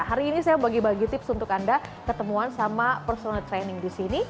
hari ini saya bagi bagi tips untuk anda ketemuan sama personal training di sini